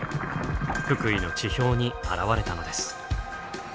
福井の地表に現れたのです。